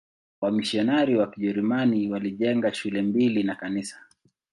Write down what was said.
Wamisionari wa Kijerumani walijenga shule mbili na kanisa.